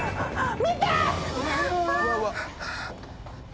見て！